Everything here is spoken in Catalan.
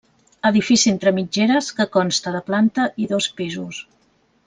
Edifici entre mitgeres que consta de planta i dos pisos.